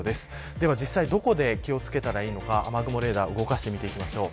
では実際どこで気を付けたらいいのか、雨雲レーダーを動かしてみていきましょう。